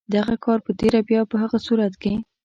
دغه کار په تېره بیا په هغه صورت کې.